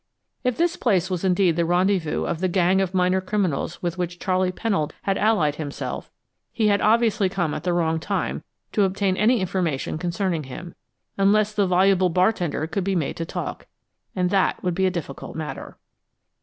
If this place was indeed the rendezvous of the gang of minor criminals with which Charley Pennold had allied himself, he had obviously come at the wrong time to obtain any information concerning him, unless the voluble bartender could be made to talk, and that would be a difficult matter.